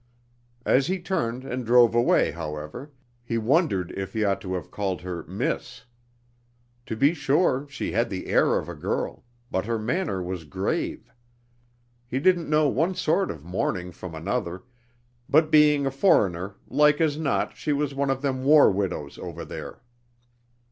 As he turned and drove away, however, he wondered if he ought to have called her "miss." To be sure, she had the air of a girl; but her manner was grave. He didn't know one sort of mourning from another; but being a foreigner like as not she was one of them war widows over there.